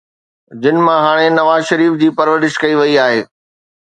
جن مان هاڻي نواز شريف جي پرورش ڪئي وئي آهي.